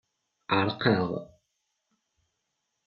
Ɛerqeɣ.